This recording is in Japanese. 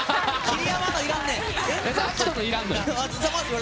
桐山のいらんねん！